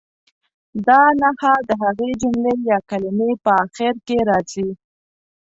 دا نښه د هغې جملې یا کلمې په اخر کې راځي.